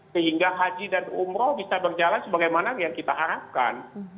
sehingga haji dan umroh bisa berjalan sebagaimana yang kita harapkan